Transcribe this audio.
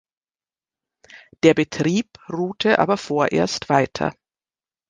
Der Betrieb ruhte aber vorerst weiter.